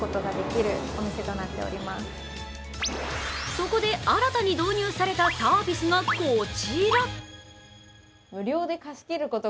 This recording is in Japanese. そこで、新たに導入されたサービスがこちら。